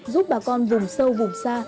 giúp bà con vùng sâu vùng xa